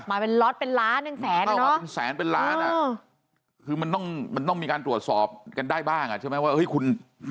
มาเป็นล็อตเป็นล้านเป็นแสน